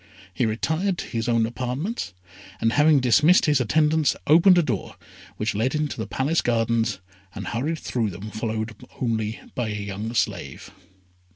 He retired to his own apartments, and, having dismissed his attendants, opened a door which led into the Palace Gardens, and hurried through them, followed only by a young slave.